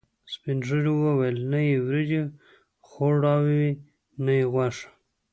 سپینږیرو ویل: نه یې وریجې خوړاوې، نه یې غوښه.